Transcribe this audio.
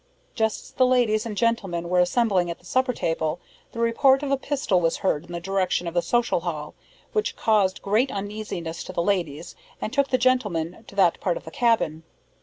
Just as the ladies and gentlemen were assembling at the supper table, the report of a pistol was heard in the direction of the Social Hall, which caused great uneasiness to the ladies, and took the gentlemen to that part of the cabin.